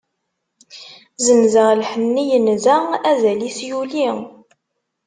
Senzeɣ lḥenni yenza, azal-is yuli.